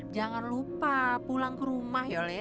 jangan lupa pulang ke rumah ya